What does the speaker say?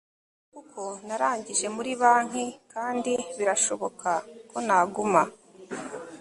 nguko uko narangije muri banki kandi birashoboka ko naguma